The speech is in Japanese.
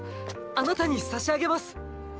あなたに差し上げます！！